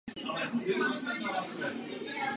Od té doby se v místě konají občasné drobné incidenty.